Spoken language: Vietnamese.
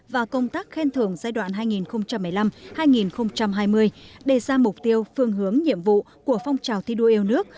và công tác khen thưởng giai đoạn hai nghìn một mươi năm hai nghìn hai mươi đề ra mục tiêu phương hướng nhiệm vụ của phong trào thi đua yêu nước